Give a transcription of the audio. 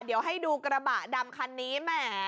เดี๋ยวให้ดูกระบะดำคันนี้แหม